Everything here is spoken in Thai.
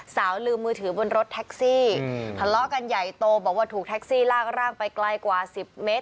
ลืมมือถือบนรถแท็กซี่ทะเลาะกันใหญ่โตบอกว่าถูกแท็กซี่ลากร่างไปไกลกว่า๑๐เมตร